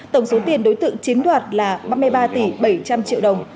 tổng số tiền đối tượng chiếm đoạt là ba mươi ba tỷ bảy trăm linh triệu đồng